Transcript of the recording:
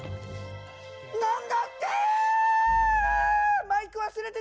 何だって！